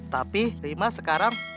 tapi rimah sekarang